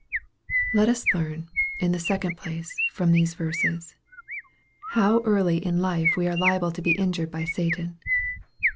Let us learn, in the second place, from these verses, fo w early in life we are liable to be injured by Satan.